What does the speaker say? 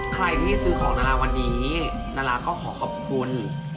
ใครที่ซื้อของดาราวันนี้ดาราก็ขอขอบคุณ